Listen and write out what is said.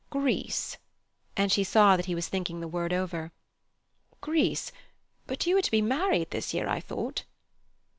"Greece"—and she saw that he was thinking the word over—"Greece; but you were to be married this year, I thought."